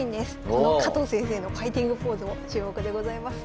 この加藤先生のファイティングポーズも注目でございます。